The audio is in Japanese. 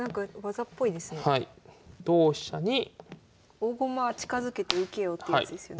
「大駒は近づけて受けよ」っていうやつですよね。